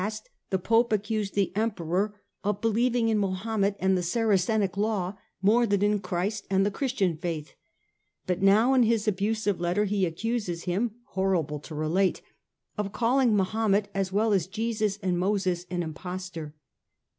POPE GREGORY THE NINTH THE SECOND EXCOMMUNICATION 169 the Pope accused the Emperor of believing in Mahomet and the Saracenic law, more than in Christ and the Christian faith ; but now in his abusive letter he accuses him (horrible to relate) of calling Mahomet, as well as Jesus and Moses, an impostor.